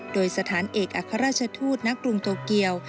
โดยสถานเอกอัครราชทูตณกรุงโตเกียว